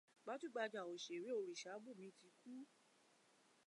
Gbajúgbajà òṣẹ̀ré Òrìṣàbùnmi ti kú.